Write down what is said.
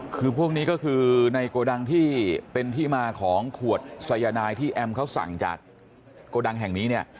คือพวกนี้ก็คือในโกดังที่เป็นที่มาของขวดสายนายที่แอมเขาสั่งจากโกดังแห่งนี้เนี่ย